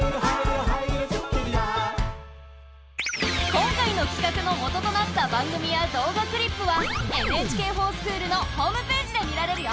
今回のきかくの元となった番組や動画クリップは「ＮＨＫｆｏｒＳｃｈｏｏｌ」のホームページで見られるよ。